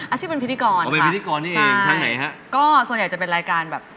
อาชีพเป็นพิธีกรเลยค่ะใช่ส่วนใหญ่จะเป็นรายการ